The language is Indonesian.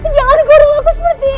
jangan garang aku seperti ini